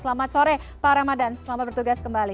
selamat sore pak ramadan selamat bertugas kembali